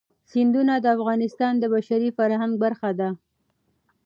سیندونه د افغانستان د بشري فرهنګ برخه ده.